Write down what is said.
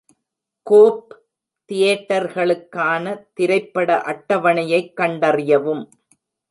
கோப் தியேட்டர்களுக்கான திரைப்பட அட்டவணையைக் கண்டறியவும்.